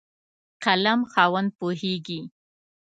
قلم خاوند پوهېږي.